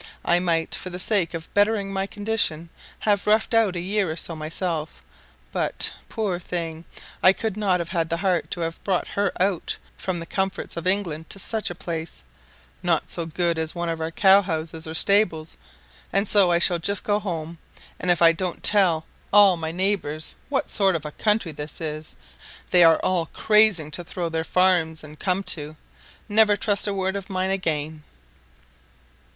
I might, for the sake of bettering my condition, have roughed out a year or so myself, but, poor thing, I could not have had the heart to have brought her out from the comforts of England to such a place, not so good as one of our cow houses or stables, and so I shall just go home; and if I don't tell all my neighbours what sort of a country this is they are all crazing to throw up their farms and come to, never trust a word of mine again."